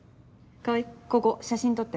川合ここ写真撮って。